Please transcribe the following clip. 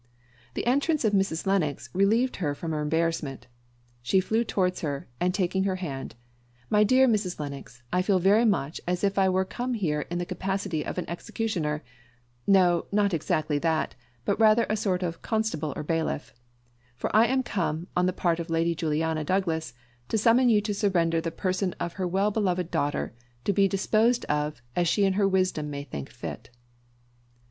The entrance of Mrs. Lennox relieved her from her embarrassment. She flew towards her, and taking her hand, "My dear Mrs. Lennox, I feel very much as if I were come here in the capacity of an executioner; no, not exactly that, but rather a sort of constable or bailiff; for I am come, on the part of Lady Juliana Douglas, to summon you to surrender the person of her well beloved daughter, to be disposed of as she in her wisdom may think fit."